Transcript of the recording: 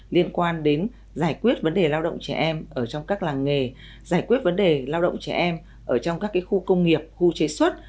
liên quan đến giải quyết vấn đề lao động trẻ em ở trong các làng nghề giải quyết vấn đề lao động trẻ em ở trong các khu công nghiệp khu chế xuất